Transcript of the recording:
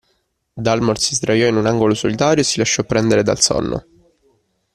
Dalmor si sdraiò in un angolo solitario e si lasciò prendere dal sonno.